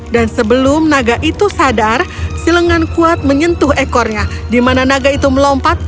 dan sebelum naga itu sadar silengan kuat menyentuh ekornya dimana naga itu melompat